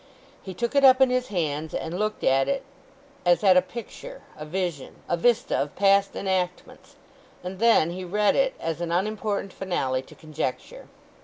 He took it up in his hands and looked at it as at a picture, a vision, a vista of past enactments; and then he read it as an unimportant finale to conjecture.